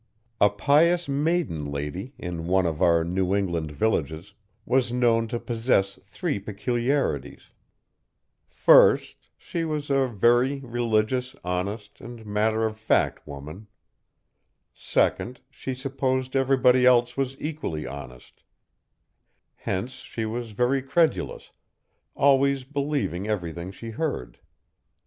A pious maiden lady, in one of our New England villages, was known to possess three peculiarities. First, she was a very religious, honest, matter of fact woman. Second, she supposed everybody else was equally honest; hence she was very credulous, always believing everything she heard.